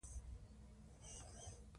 د درملو استعمال باید د ډاکتر تر نظر لاندې وي.